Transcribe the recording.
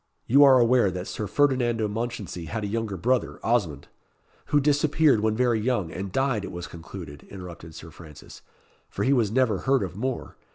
You are aware that Sir Ferdinando Mounchensey had a younger brother, Osmond " "Who disappeared when very young, and died, it was concluded," interrupted Sir Francis, "for he was never heard of more.